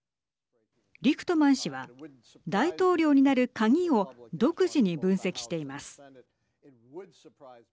リクトマン氏は、大統領になる鍵を独自に分析しています。